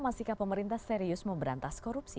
mas jika pemerintah serius mau berantas korupsi